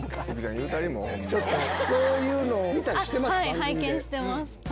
はい拝見してます。